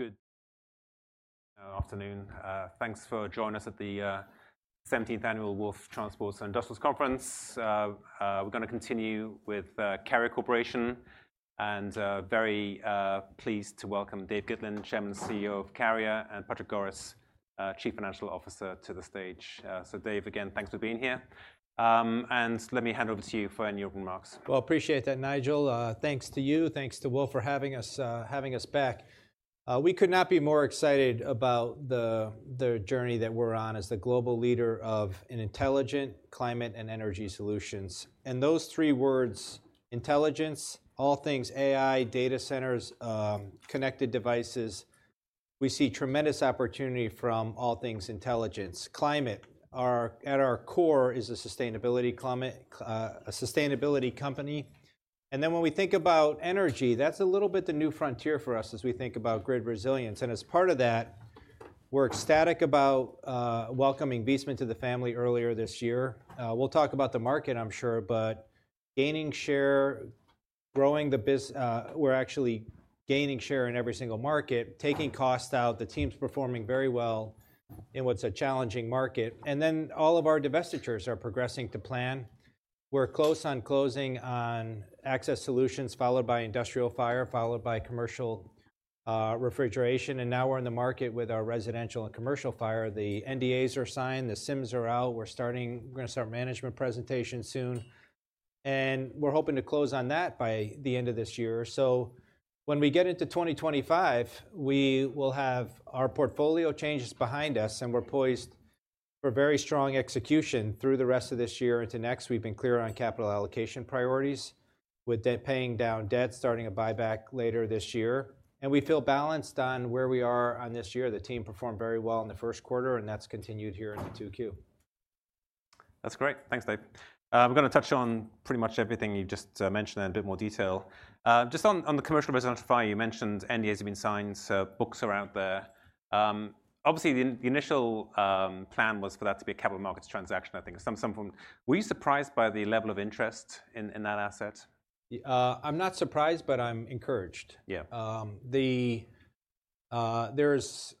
Good afternoon. Thanks for joining us at the 17th Annual Wolfe Transportation Industrial Conference. We're gonna continue with Carrier Corporation, and very pleased to welcome Dave Gitlin, Chairman and CEO of Carrier, and Patrick Goris, Chief Financial Officer, to the stage. Dave, again, thanks for being here. Let me hand over to you for any opening remarks. Well, appreciate that, Nigel. Thanks to you, thanks to Wolfe for having us, having us back. We could not be more excited about the journey that we're on as the global leader in intelligent climate and energy solutions. And those three words, intelligence, all things AI, data centers, connected devices, we see tremendous opportunity from all things intelligence. Climate, at our core is a sustainability company. And then when we think about energy, that's a little bit the new frontier for us as we think about grid resilience. And as part of that, we're ecstatic about welcoming Viessmann to the family earlier this year. We'll talk about the market, I'm sure, but gaining share, growing, we're actually gaining share in every single market, taking costs out. The team's performing very well in what's a challenging market. Then, all of our divestitures are progressing to plan. We're close on closing on Access Solutions, followed by Industrial Fire, followed by Commercial Refrigeration, and now we're in the market with our Residential and Commercial Fire. The NDAs are signed, the CIMs are out. We're gonna start management presentation soon, and we're hoping to close on that by the end of this year. So when we get into 2025, we will have our portfolio changes behind us, and we're poised for very strong execution through the rest of this year into next. We've been clear on capital allocation priorities, with paying down debt, starting a buyback later this year. And we feel balanced on where we are on this year. The team performed very well in the first quarter, and that's continued here in the 2Q. That's great. Thanks, Dave. We're gonna touch on pretty much everything you've just mentioned in a bit more detail. Just on the commercial residential fire, you mentioned NDAs have been signed, so books are out there. Obviously, the initial plan was for that to be a capital markets transaction, I think at some point. Were you surprised by the level of interest in that asset? I'm not surprised, but I'm encouraged. Yeah. There's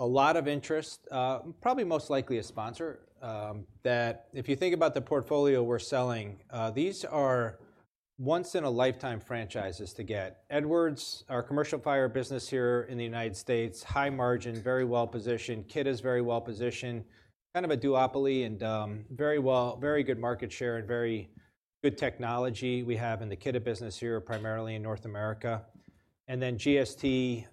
a lot of interest, probably most likely a sponsor. That if you think about the portfolio we're selling, these are once-in-a-lifetime franchises to get. Edwards, our commercial fire business here in the United States, high margin, very well-positioned. Kidde is very well-positioned, kind of a duopoly and, very well, very good market share and very good technology we have in the Kidde business here, primarily in North America. And then GST,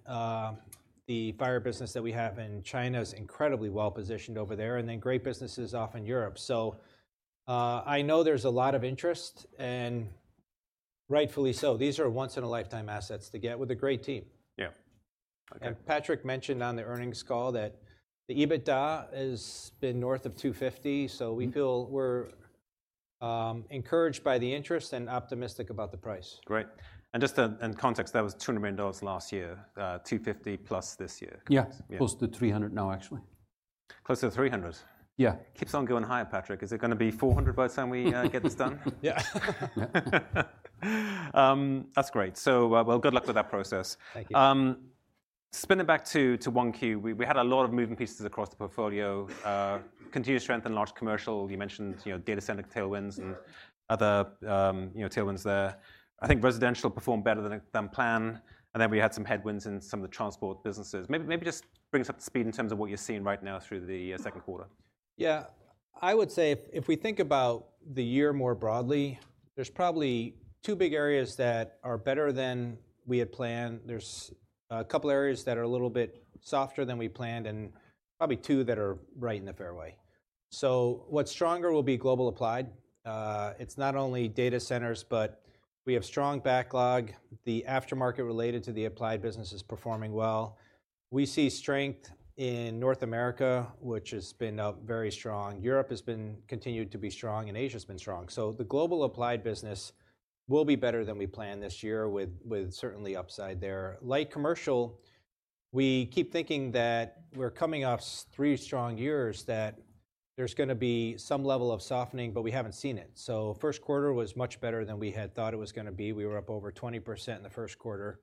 the fire business that we have in China is incredibly well-positioned over there, and then great businesses off in Europe. So, I know there's a lot of interest, and rightfully so. These are once-in-a-lifetime assets to get with a great team. Yeah. Okay. Patrick mentioned on the earnings call that the EBITDA has been north of $250 million, so we feel we're encouraged by the interest and optimistic about the price. Great. Just to, in context, that was $200 million last year, $250+ this year. Yeah. Yeah. Close to 300 now, actually. Close to 300? Yeah. Keeps on going higher, Patrick. Is it gonna be 400 by the time we get this done? Yeah. That's great. So, well, good luck with that process. Thank you. Spinning back to 1Q, we had a lot of moving pieces across the portfolio. Continued strength in large commercial. You mentioned, you know, data center tailwinds-... and other, you know, tailwinds there. I think residential performed better than planned, and then we had some headwinds in some of the transport businesses. Maybe just bring us up to speed in terms of what you're seeing right now through the second quarter. Yeah. I would say if, if we think about the year more broadly, there's probably two big areas that are better than we had planned. There's a couple areas that are a little bit softer than we planned, and probably two that are right in the fairway. So what's stronger will be global applied. It's not only data centers, but we have strong backlog. The aftermarket related to the applied business is performing well. We see strength in North America, which has been very strong. Europe has continued to be strong, and Asia's been strong. So the global applied business will be better than we planned this year, with certainly upside there. Light commercial, we keep thinking that we're coming off three strong years, that there's gonna be some level of softening, but we haven't seen it. So first quarter was much better than we had thought it was gonna be. We were up over 20% in the first quarter,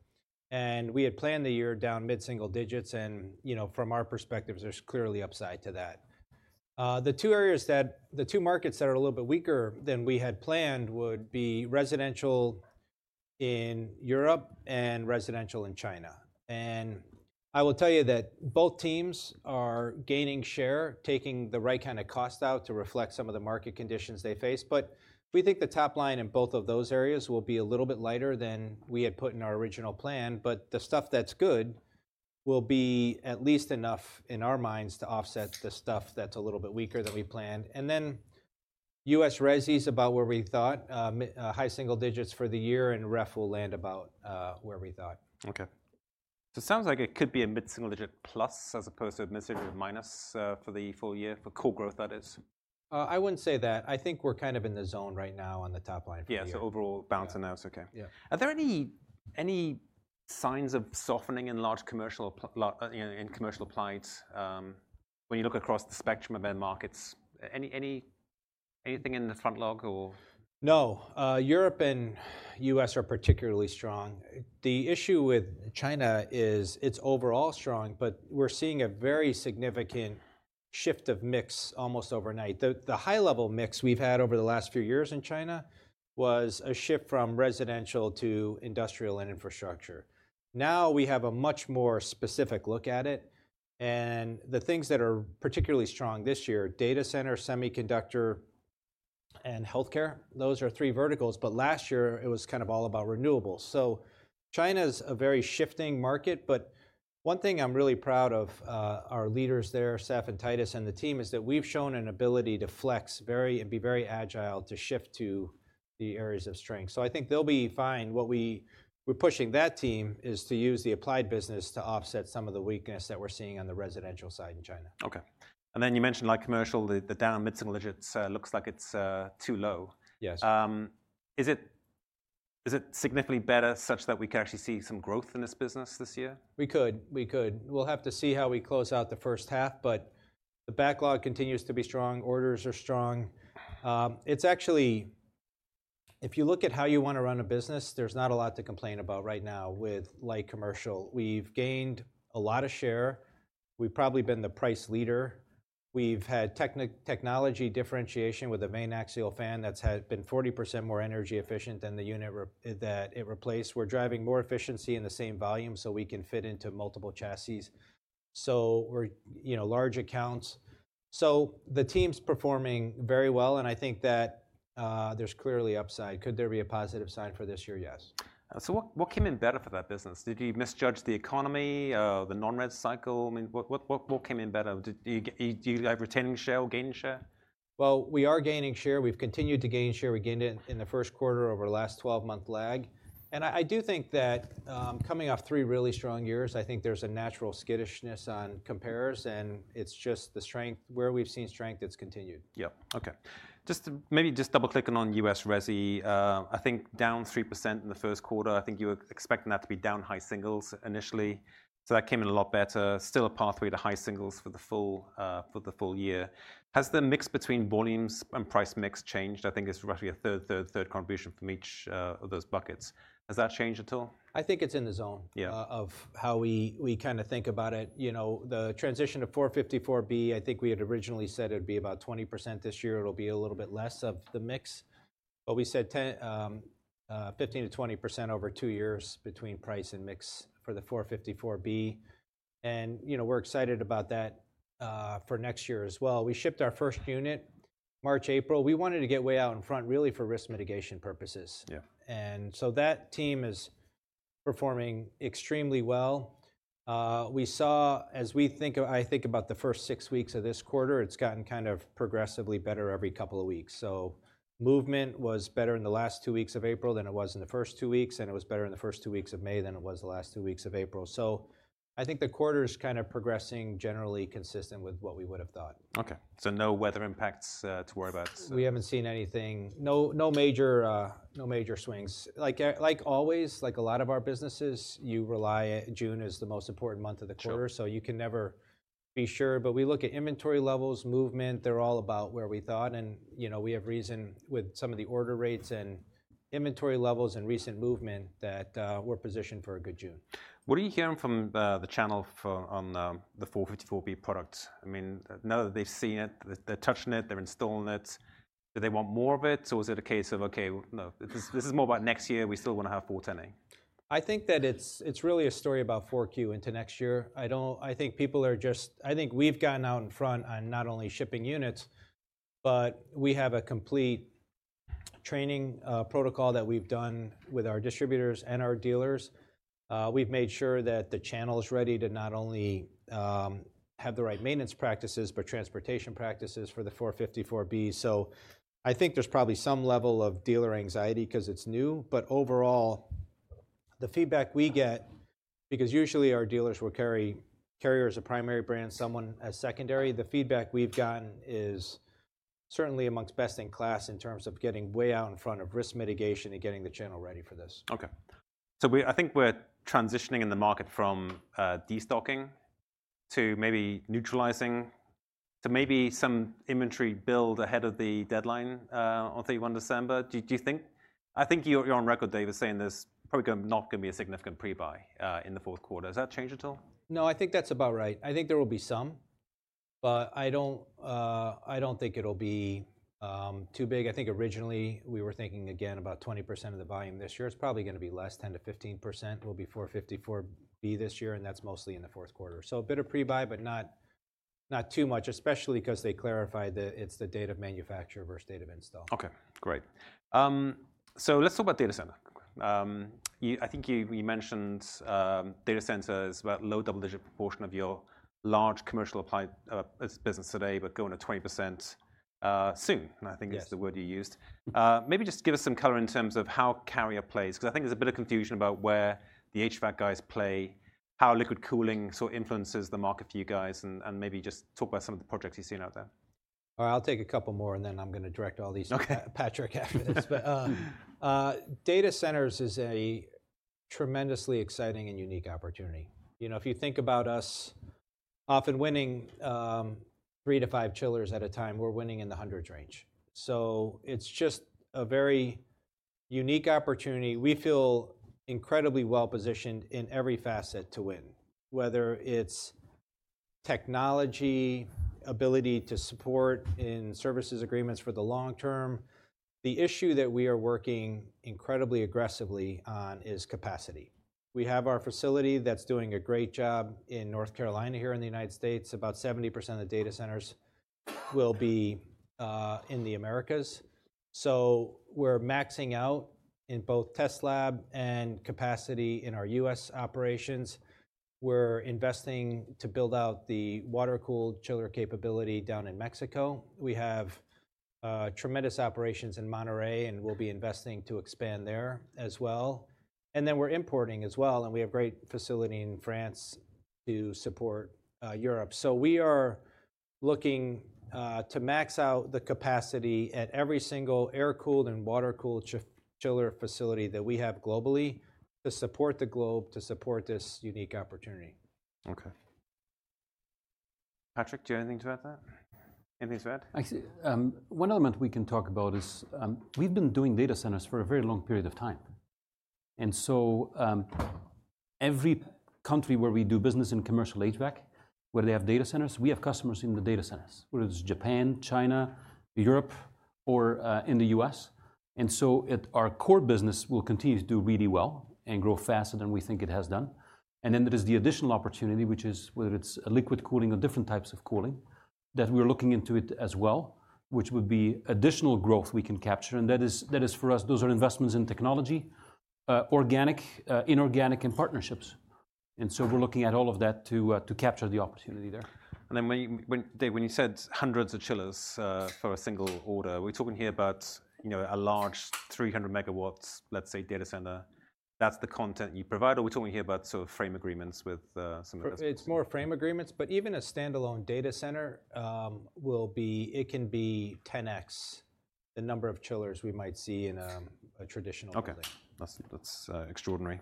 and we had planned the year down mid-single digits, and, you know, from our perspective, there's clearly upside to that. The two markets that are a little bit weaker than we had planned would be residential in Europe and residential in China. And I will tell you that both teams are gaining share, taking the right kind of cost out to reflect some of the market conditions they face. But we think the top line in both of those areas will be a little bit lighter than we had put in our original plan. But the stuff that's good will be at least enough, in our minds, to offset the stuff that's a little bit weaker than we planned. And then, U.S. resi's about where we thought, high single digits for the year, and ref will land about where we thought. Okay. So sounds like it could be a mid-single digit plus, as opposed to a mid-single minus, for the full year, for core growth, that is. I wouldn't say that. I think we're kind of in the zone right now on the top line for the year. Yeah, so overall, bouncing out, okay. Yeah. Are there any signs of softening in large commercial or, you know, in commercial applied, when you look across the spectrum of end markets? Anything in the front log or? No, Europe and U.S. are particularly strong. The issue with China is it's overall strong, but we're seeing a very significant shift of mix almost overnight. The high-level mix we've had over the last few years in China was a shift from residential to industrial and infrastructure. Now, we have a much more specific look at it, and the things that are particularly strong this year, data center, semiconductor, and healthcare. Those are three verticals, but last year it was kind of all about renewables. So China's a very shifting market, but one thing I'm really proud of, our leaders there, Seth and Titus and the team, is that we've shown an ability to flex very, and be very agile to shift to the areas of strength. So I think they'll be fine. What we're pushing that team is to use the applied business to offset some of the weakness that we're seeing on the residential side in China. Okay. And then you mentioned, like, commercial, the down mid-single digits, looks like it's too low. Yes. Is it, is it significantly better, such that we can actually see some growth in this business this year? We could. We could. We'll have to see how we close out the first half, but the backlog continues to be strong. Orders are strong. It's actually... If you look at how you want to run a business, there's not a lot to complain about right now with light commercial. We've gained a lot of share. We've probably been the price leader. We've had technology differentiation with the Vane Axial Fan that's been 40% more energy efficient than the unit that it replaced. We're driving more efficiency in the same volume so we can fit into multiple chassis. So we're, you know, large accounts. So the team's performing very well, and I think that there's clearly upside. Could there be a positive sign for this year? Yes. So what, what came in better for that business? Did you misjudge the economy, the non-res cycle? I mean, what, what, what came in better? Did you do you like retaining share or gaining share? Well, we are gaining share. We've continued to gain share. We gained it in the first quarter over the last 12-month lag. And I, I do think that, coming off three really strong years, I think there's a natural skittishness on comps, and it's just the strength. Where we've seen strength, it's continued. Yeah. Okay. Just maybe just double-clicking on U.S. resi, I think down 3% in the first quarter, I think you were expecting that to be down high singles initially. So that came in a lot better. Still a pathway to high singles for the full year. Has the mix between volumes and price mix changed? I think it's roughly a third, third, third contribution from each of those buckets. Has that changed at all? I think it's in the zone- Yeah... of how we, we kind of think about it. You know, the transition to R-454B, I think we had originally said it would be about 20% this year. It'll be a little bit less of the mix, but we said 15%-20% over two years between price and mix for the R-454B, and, you know, we're excited about that for next year as well. We shipped our first unit March, April. We wanted to get way out in front, really, for risk mitigation purposes. Yeah. And so that team is performing extremely well. We saw, as we think of, I think about the first six weeks of this quarter, it's gotten kind of progressively better every couple of weeks. So movement was better in the last two weeks of April than it was in the first two weeks, and it was better in the first two weeks of May than it was the last two weeks of April. So I think the quarter's kind of progressing generally consistent with what we would have thought. Okay. So no weather impacts to worry about? We haven't seen anything. No, no major, no major swings. Like, like always, like a lot of our businesses, you rely, June is the most important month of the quarter- Sure... so you can never be sure. But we look at inventory levels, movement, they're all about where we thought, and, you know, we have reason with some of the order rates and inventory levels and recent movement that we're positioned for a good June. What are you hearing from the channel on the R-454B product? I mean, now that they've seen it, they're touching it, they're installing it, do they want more of it, or is it a case of, "Okay, no, this is more about next year, we still want to have R-410A? I think that it's really a story about Q4 into next year. I think people are just—I think we've gotten out in front on not only shipping units, but we have a complete training protocol that we've done with our distributors and our dealers. We've made sure that the channel is ready to not only have the right maintenance practices, but transportation practices for the R-454B. So I think there's probably some level of dealer anxiety 'cause it's new, but overall, the feedback we get, because usually our dealers will carry Carrier as a primary brand, someone as secondary, the feedback we've gotten is certainly amongst best in class in terms of getting way out in front of risk mitigation and getting the channel ready for this. Okay. So we, I think we're transitioning in the market from destocking to maybe neutralizing, to maybe some inventory build ahead of the deadline on 31 December. Do you think? I think you're on record, Dave, as saying there's probably not going to be a significant pre-buy in the fourth quarter. Has that changed at all? No, I think that's about right. I think there will be some, but I don't, I don't think it'll be too big. I think originally we were thinking again, about 20% of the volume this year. It's probably gonna be less, 10%-15% will be R-454B this year, and that's mostly in the fourth quarter. So a bit of pre-buy, but not, not too much, especially 'cause they clarified that it's the date of manufacture versus date of install. Okay, great. So let's talk about data center. You, I think you, we mentioned, data center as about low double-digit proportion of your large commercial applied, business today, but going to 20%, soon, I think- Yes... is the word you used. Maybe just give us some color in terms of how Carrier plays, 'cause I think there's a bit of confusion about where the HVAC guys play, how liquid cooling sort of influences the market for you guys, and maybe just talk about some of the projects you're seeing out there. I'll take a couple more, and then I'm gonna direct all these- Okay... Patrick after this. But data centers is a tremendously exciting and unique opportunity. You know, if you think about us often winning 3-5 chillers at a time. We're winning in the hundreds range. So it's just a very unique opportunity. We feel incredibly well-positioned in every facet to win, whether it's technology, ability to support in services agreements for the long term. The issue that we are working incredibly aggressively on is capacity. We have our facility that's doing a great job in North Carolina here in the United States. About 70% of the data centers will be in the Americas. So we're maxing out in both test lab and capacity in our U.S. operations. We're investing to build out the water-cooled chiller capability down in Mexico. We have tremendous operations in Monterrey, and we'll be investing to expand there as well. And then we're importing as well, and we have great facility in France to support Europe. So we are looking to max out the capacity at every single air-cooled and water-cooled chiller facility that we have globally to support the globe, to support this unique opportunity. Okay. Patrick, do you have anything to add to that? Anything to add? Actually, one element we can talk about is, we've been doing data centers for a very long period of time, and so, every country where we do business in commercial HVAC, where they have data centers, we have customers in the data centers, whether it's Japan, China, Europe, or, in the U.S. And so at our core business, we'll continue to do really well and grow faster than we think it has done. And then there is the additional opportunity, which is whether it's a liquid cooling or different types of cooling, that we're looking into it as well, which would be additional growth we can capture, and that is for us, those are investments in technology, organic, inorganic and partnerships. And so we're looking at all of that to, to capture the opportunity there. When, Dave, when you said hundreds of chillers for a single order, are we talking here about, you know, a large 300-megawatt data center, let's say, that's the content you provide, or are we talking here about sort of frame agreements with some of the customers? It's more frame agreements, but even a standalone data center will be. It can be 10x the number of chillers we might see in a traditional building. Okay. That's extraordinary.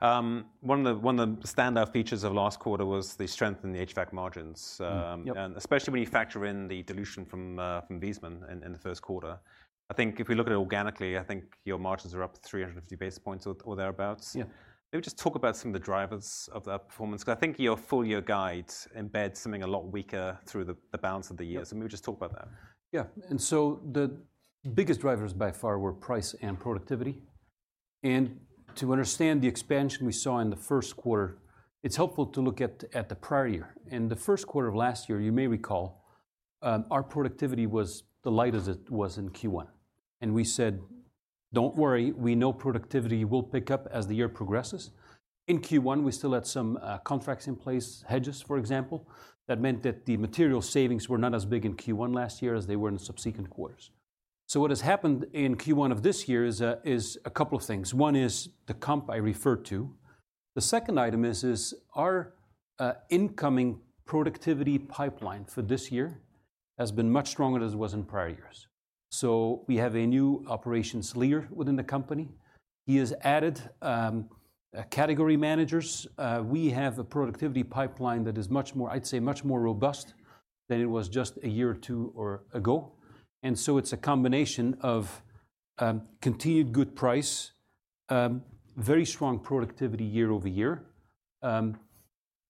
One of the standout features of last quarter was the strength in the HVAC margins. Mm-hmm. Yep. Especially when you factor in the dilution from Viessmann in the first quarter. I think if we look at it organically, I think your margins are up 350 basis points or thereabouts. Yeah. Maybe just talk about some of the drivers of that performance, because I think your full-year guide embeds something a lot weaker through the balance of the years. Yeah. Maybe just talk about that. Yeah. So the biggest drivers by far were price and productivity, and to understand the expansion we saw in the first quarter, it's helpful to look at the prior year. In the first quarter of last year, you may recall, our productivity was the lightest it was in Q1, and we said, "Don't worry, we know productivity will pick up as the year progresses." In Q1, we still had some contracts in place, hedges, for example. That meant that the material savings were not as big in Q1 last year as they were in subsequent quarters. So what has happened in Q1 of this year is a couple of things. One is the comp I referred to. The second item is our incoming productivity pipeline for this year has been much stronger than it was in prior years. So we have a new operations leader within the company. He has added category managers. We have a productivity pipeline that is much more, I'd say, much more robust than it was just a year or two or ago. And so it's a combination of continued good price, very strong productivity year over year.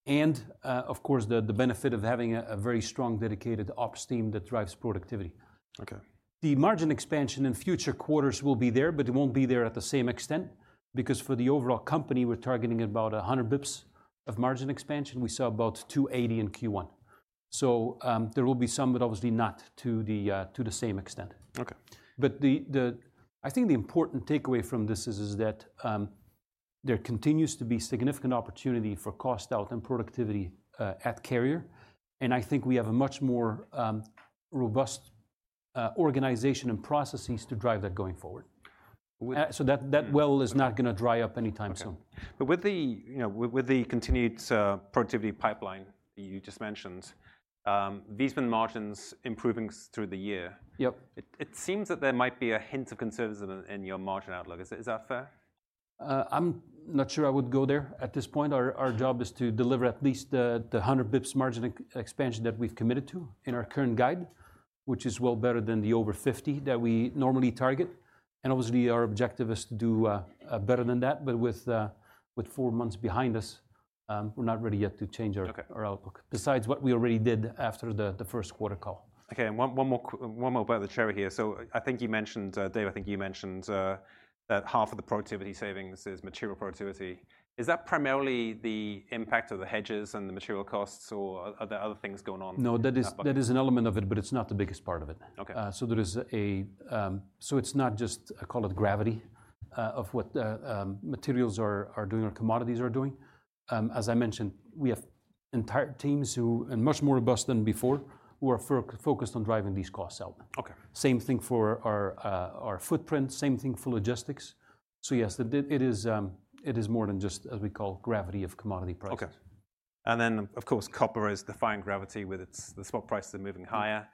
And of course, the benefit of having a very strong, dedicated ops team that drives productivity. Okay. The margin expansion in future quarters will be there, but it won't be there at the same extent. Because for the overall company, we're targeting about 100 basis points of margin expansion. We saw about 280 in Q1. So, there will be some, but obviously not to the same extent. Okay. But I think the important takeaway from this is that there continues to be significant opportunity for cost out and productivity at Carrier, and I think we have a much more robust organization and processes to drive that going forward. With- So that well is not gonna dry up anytime soon. Okay. But with the, you know, continued productivity pipeline you just mentioned, these been margins improving through the year? Yep. It seems that there might be a hint of conservatism in your margin outlook. Is that fair? I'm not sure I would go there at this point. Our job is to deliver at least the 100 bps margin expansion that we've committed to in our current guide, which is well better than the over 50 that we normally target, and obviously, our objective is to do better than that. But with 4 months behind us, we're not ready yet to change our- Okay... our outlook. Besides what we already did after the first quarter call. Okay, and one more about the chiller here. So I think you mentioned, Dave, I think you mentioned, that half of the productivity savings is material productivity. Is that primarily the impact of the hedges and the material costs, or are there other things going on? No, that is- that is an element of it, but it's not the biggest part of it. Okay. So it's not just, I call it, gravity, of what materials are doing or commodities are doing. As I mentioned, we have entire teams who, and much more robust than before, who are focused on driving these costs out. Okay. Same thing for our footprint, same thing for logistics. So yes, it did, it is, it is more than just, as we call, gravity of commodity prices. Okay. And then, of course, copper is defying gravity with its, the spot prices are moving higher.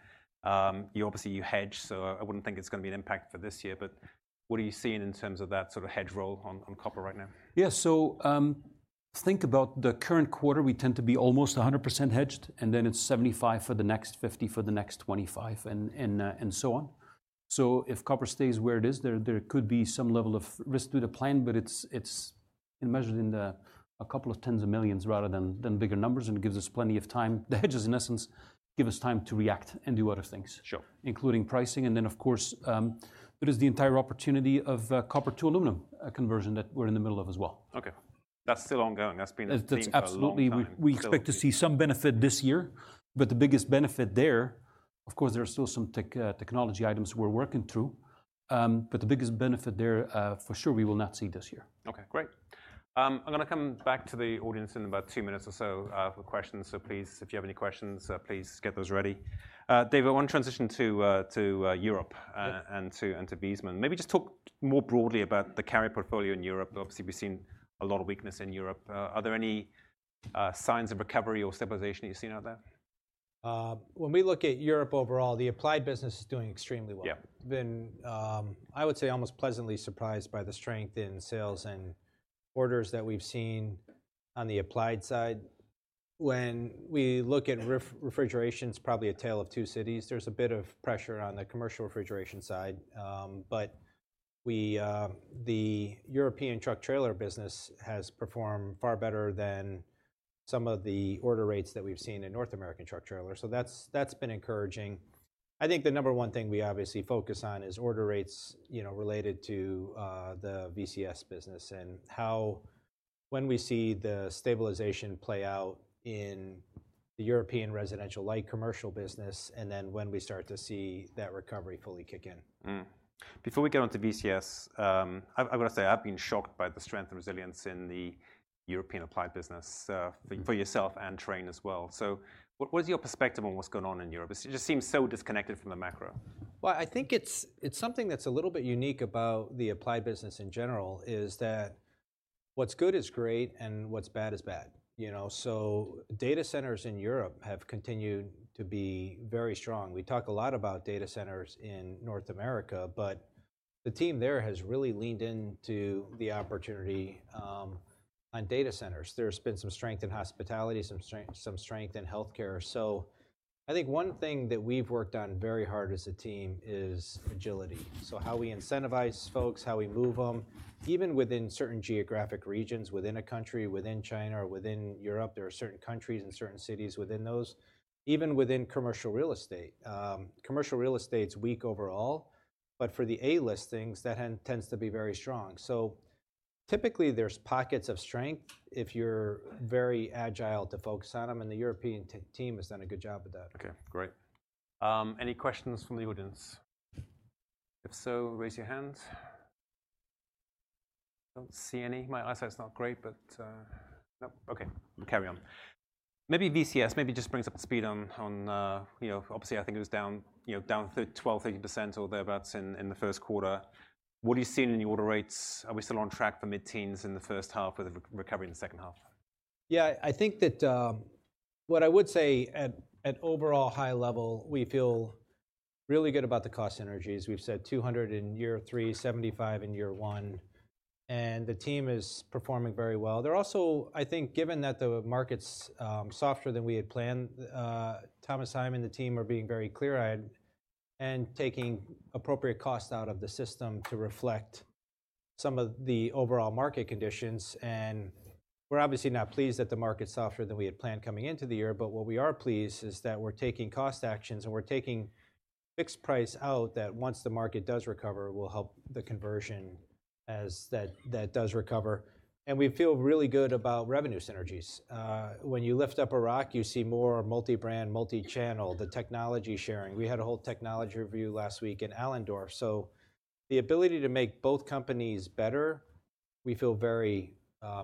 You obviously, you hedge, so I wouldn't think it's gonna be an impact for this year, but what are you seeing in terms of that sort of hedge roll on, on copper right now? Yeah. So, think about the current quarter, we tend to be almost 100% hedged, and then it's 75 for the next 50, for the next 25, and, and, and so on. So if copper stays where it is, there could be some level of risk to the plan, but it's measured in a couple of tens of millions rather than bigger numbers, and it gives us plenty of time. The hedges, in essence, give us time to react and do other things- Sure. - including pricing, and then, of course, there is the entire opportunity of copper to aluminum conversion that we're in the middle of as well. Okay. That's still ongoing. That's been the theme for a long time. It's absolutely. We expect to see some benefit this year, but the biggest benefit there, of course, there are still some tech, technology items we're working through. But the biggest benefit there, for sure, we will not see this year. Okay, great. I'm gonna come back to the audience in about two minutes or so, for questions. So please, if you have any questions, please get those ready. David, I want to transition to Europe- Maybe just talk more broadly about the Carrier portfolio in Europe. Obviously, we've seen a lot of weakness in Europe. Are there any signs of recovery or stabilization that you've seen out there? When we look at Europe overall, the applied business is doing extremely well. Yeah. I would say, almost pleasantly surprised by the strength in sales and orders that we've seen on the applied side. When we look at refrigeration, it's probably a tale of two cities. There's a bit of pressure on the Commercial Refrigeration side. But the European truck trailer business has performed far better than some of the order rates that we've seen in North American truck trailers, so that's, that's been encouraging. I think the number one thing we obviously focus on is order rates, you know, related to the VCS business and how when we see the stabilization play out in the European residential light commercial business, and then when we start to see that recovery fully kick in. Before we get on to VCS, I wanna say I've been shocked by the strength and resilience in the European applied business for yourself and Trane as well. So what is your perspective on what's going on in Europe? It just seems so disconnected from the macro. Well, I think it's something that's a little bit unique about the applied business in general, is that what's good is great and what's bad is bad, you know? So data centers in Europe have continued to be very strong. We talk a lot about data centers in North America, but the team there has really leaned into the opportunity on data centers. There's been some strength in hospitality, some strength in healthcare. So I think one thing that we've worked on very hard as a team is agility. So how we incentivize folks, how we move 'em, even within certain geographic regions, within a country, within China or within Europe, there are certain countries and certain cities within those. Even within commercial real estate. Commercial real estate's weak overall, but for the A-listings, then tends to be very strong. Typically, there's pockets of strength if you're very agile to focus on them, and the European team has done a good job at that. Okay, great. Any questions from the audience? If so, raise your hands. I don't see any. My eyesight's not great, but... Nope. Okay, carry on. Maybe VCS, maybe just brings us up to speed on, on, you know, obviously, I think it was down, you know, down twelve, thirteen percent or thereabouts in, in the first quarter. What are you seeing in the order rates? Are we still on track for mid-teens in the first half with a recovery in the second half? Yeah, I think that, what I would say at, at overall high level, we feel really good about the cost synergies. We've said $200 in year three, $75 in year one, and the team is performing very well. They're also, I think, given that the market's, softer than we had planned, Thomas Heim and the team are being very clear-eyed and taking appropriate cost out of the system to reflect some of the overall market conditions. And we're obviously not pleased that the market's softer than we had planned coming into the year, but what we are pleased is that we're taking cost actions, and we're taking fixed price out, that once the market does recover, will help the conversion as that does recover. And we feel really good about revenue synergies. When you lift up a rock, you see more multi-brand, multi-channel, the technology sharing. We had a whole technology review last week in Allendorf, so the ability to make both companies better, we feel very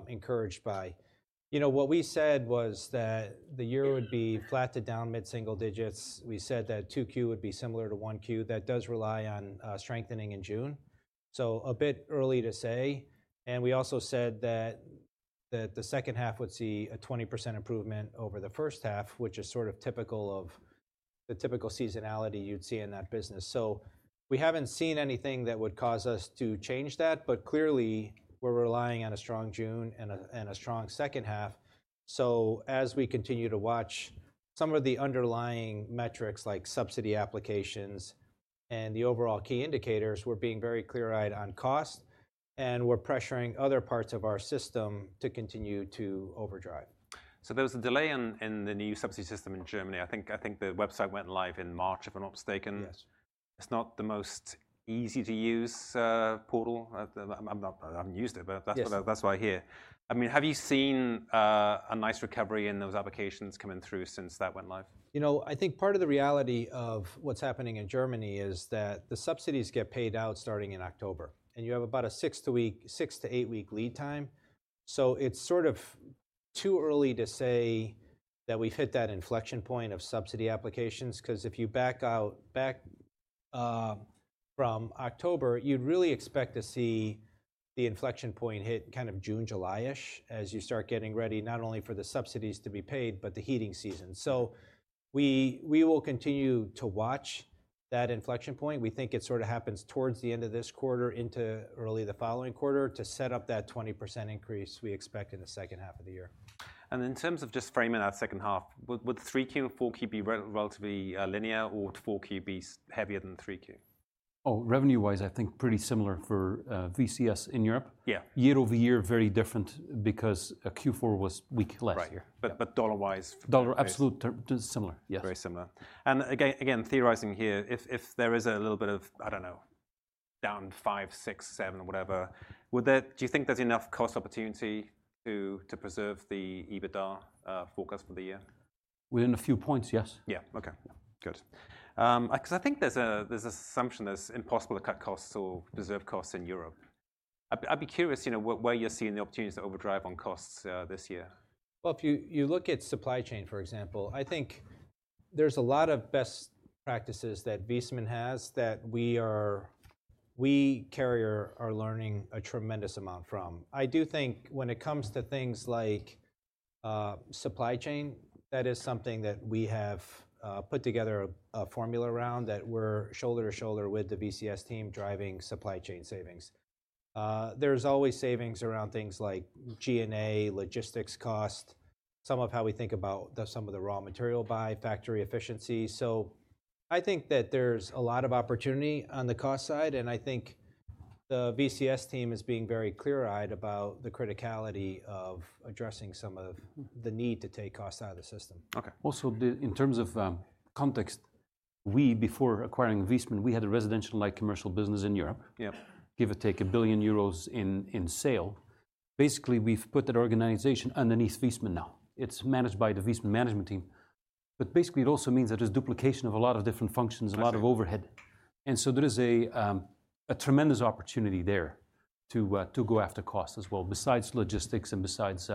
encouraged by. You know, what we said was that the year would be flat to down mid-single digits. We said that 2Q would be similar to 1Q. That does rely on strengthening in June, so a bit early to say. And we also said that the second half would see a 20% improvement over the first half, which is sort of typical of the typical seasonality you'd see in that business. So we haven't seen anything that would cause us to change that, but clearly, we're relying on a strong June and a strong second half. As we continue to watch some of the underlying metrics, like subsidy applications and the overall key indicators, we're being very clear-eyed on cost, and we're pressuring other parts of our system to continue to overdrive. So there was a delay in the new subsidy system in Germany. I think the website went live in March, if I'm not mistaken. Yes. It's not the most easy-to-use portal. I'm not, I haven't used it, but- Yes... that's what I, that's what I hear. I mean, have you seen a nice recovery in those applications coming through since that went live? You know, I think part of the reality of what's happening in Germany is that the subsidies get paid out starting in October, and you have about a six- to eight-week lead time. So it's sort of too early to say that we've hit that inflection point of subsidy applications, 'cause if you back out from October, you'd really expect to see the inflection point hit kind of June, July-ish, as you start getting ready, not only for the subsidies to be paid but the heating season. So we will continue to watch that inflection point. We think it sort of happens towards the end of this quarter into early the following quarter to set up that 20% increase we expect in the second half of the year. In terms of just framing our second half, would three Q and four Q be relatively linear, or would four Q be heavier than three Q? Oh, revenue-wise, I think pretty similar for VCS in Europe. Yeah. Year-over-year, very different because Q4 was weak last year. Right. But dollar-wise- Dollar, absolute term, similar, yes. Very similar. Again, theorizing here, if there is a little bit of, I don't know, down 5, 6, 7, whatever, would there—do you think there's enough cost opportunity to preserve the EBITDA forecast for the year? Within a few points, yes. Yeah. Okay. Good. 'Cause I think there's an assumption that it's impossible to cut costs or preserve costs in Europe. I'd be curious, you know, where you're seeing the opportunities to overdrive on costs, this year? Well, if you look at supply chain, for example, I think there's a lot of best practices that Viessmann has that we are. We, Carrier, are learning a tremendous amount from. I do think when it comes to things like supply chain, that is something that we have put together a formula around, that we're shoulder to shoulder with the VCS team, driving supply chain savings. There's always savings around things like G&A, logistics cost, some of how we think about the raw material buy, factory efficiency. So I think that there's a lot of opportunity on the cost side, and I think the VCS team is being very clear-eyed about the criticality of addressing some of the need to take costs out of the system. Okay. Also, in terms of context, we, before acquiring Viessmann, we had a residential-like commercial business in Europe. Yeah. Give or take, 1 billion euros in sales. Basically, we've put that organization underneath Viessmann now. It's managed by the Viessmann management team. But basically, it also means there is duplication of a lot of different functions. -a lot of overhead. And so there is a tremendous opportunity there to go after costs as well, besides logistics and besides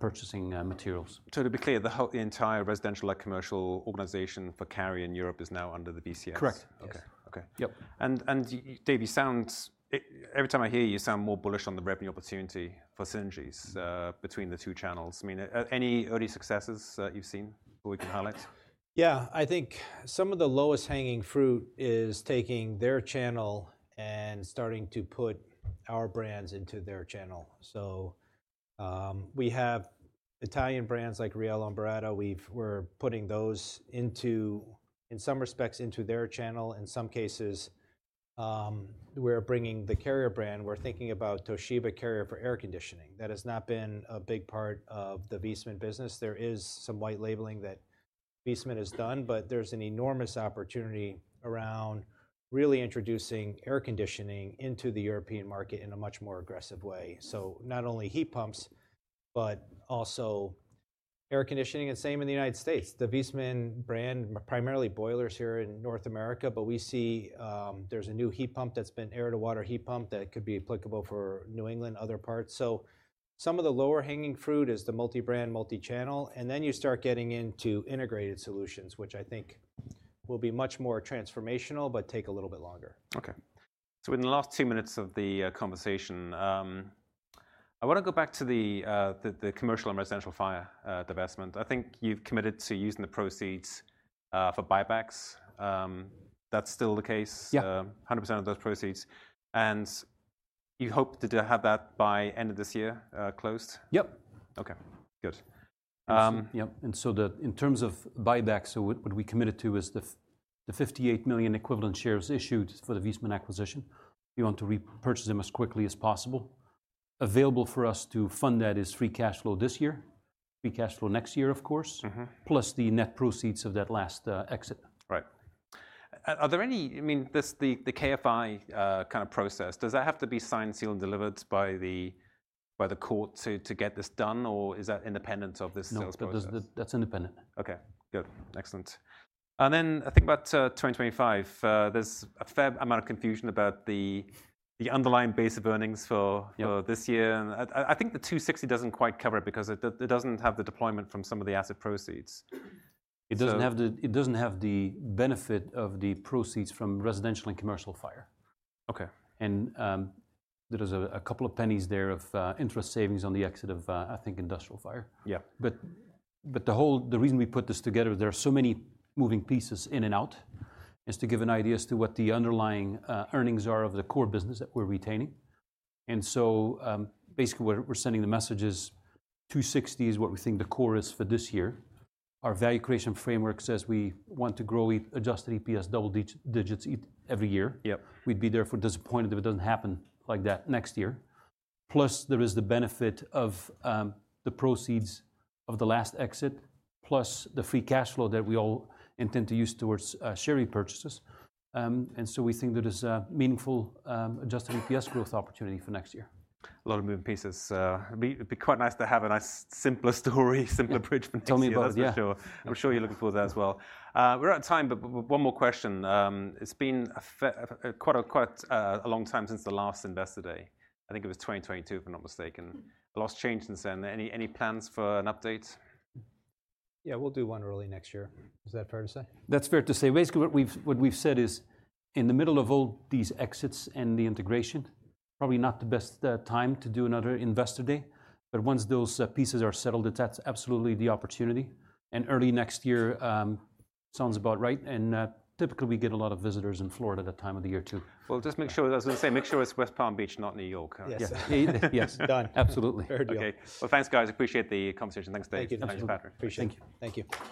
purchasing materials. So to be clear, the whole, the entire residential and commercial organization for Carrier in Europe is now under the VCS? Correct. Okay. Yes. Okay. Yep. Dave, you sound every time I hear you, you sound more bullish on the revenue opportunity for synergies between the two channels. I mean, any early successes that you've seen that we can highlight? Yeah, I think some of the lowest hanging fruit is taking their channel and starting to put our brands into their channel. So, we have Italian brands like Riello and Beretta. We're putting those into, in some respects, into their channel. In some cases, we're bringing the Carrier brand. We're thinking about Toshiba Carrier for air conditioning. That has not been a big part of the Viessmann business. There is some white labeling that Viessmann has done, but there's an enormous opportunity around really introducing air conditioning into the European market in a much more aggressive way. So not only heat pumps but also air conditioning, and same in the United States. The Viessmann brand, primarily boilers here in North America, but we see, there's a new heat pump that's been, air-to-water heat pump, that could be applicable for New England, other parts. Some of the lower-hanging fruit is the multi-brand, multi-channel, and then you start getting into integrated solutions, which I think will be much more transformational but take a little bit longer. Okay. So in the last two minutes of the conversation, I want to go back to the commercial and residential fire divestment. I think you've committed to using the proceeds for buybacks. That's still the case? Yeah. 100% of those proceeds, and you hope to have that by end of this year, closed? Yep. Okay, good. Yep, in terms of buybacks, what we committed to is the 58 million equivalent shares issued for the Viessmann acquisition. We want to repurchase them as quickly as possible. Available for us to fund that is free cash flow this year, free cash flow next year, of course- Mm-hmm... plus the net proceeds of that last exit. Right. Are there any... I mean, this, the KFI kind of process, does that have to be signed, sealed, and delivered by the court to get this done, or is that independent of this sales process? No, that's, that's independent. Okay, good. Excellent. And then I think about 2025, there's a fair amount of confusion about the, the underlying base of earnings for- Yeah for this year. And I think the 260 doesn't quite cover it because it doesn't have the deployment from some of the asset proceeds. So- It doesn't have the benefit of the proceeds from Residential and Commercial Fire. Okay. There is a couple of pennies there of interest savings on the exit of, I think, Industrial Fire. Yeah. But the whole reason we put this together, there are so many moving pieces in and out, is to give an idea as to what the underlying earnings are of the core business that we're retaining. And so, basically, what we're sending the message is $2.60 is what we think the core is for this year. Our value creation framework says we want to grow adjusted EPS double digits every year. Yeah. We'd be therefore disappointed if it doesn't happen like that next year. Plus, there is the benefit of the proceeds of the last exit, plus the Free Cash Flow that we all intend to use towards share repurchases. And so we think there is a meaningful Adjusted EPS-... growth opportunity for next year. A lot of moving pieces. It'd be quite nice to have a nice simpler story, simpler bridge from next year. Tell me about it, yeah. I'm sure. I'm sure you're looking for that as well. We're out of time, but one more question. It's been quite a long time since the last Investor Day. I think it was 2022, if I'm not mistaken. A lot's changed since then. Any plans for an update? Yeah, we'll do one early next year. Is that fair to say? That's fair to say. Basically, what we've said is, in the middle of all these exits and the integration, probably not the best time to do another Investor Day. But once those pieces are settled, that's absolutely the opportunity, and early next year sounds about right. And typically, we get a lot of visitors in Florida that time of the year, too. Well, just make sure, as I say, make sure it's West Palm Beach, not New York. Yes. Yes. Done. Absolutely. Fair deal. Okay. Well, thanks, guys. I appreciate the conversation. Thanks, Dave. Thank you. Thanks, Patrick. Appreciate it. Thank you. Thank you.